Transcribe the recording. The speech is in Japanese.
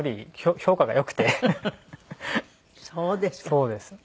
そうですか。